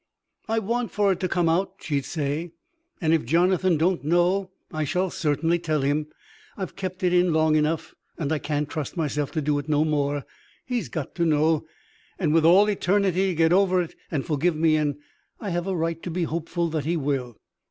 "I want for it to come out," she'd say. "And, if Jonathan don't know, I shall certainly tell him. I've kept it in long enough, and I can't trust myself to do it no more. He've got to know, and, with all eternity to get over it and forgive me in, I have a right to be hopeful that he will."